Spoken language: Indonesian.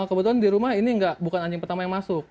kebetulan di rumah ini bukan anjing pertama yang masuk